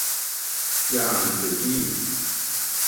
อย่าอ่านหนังสือขี้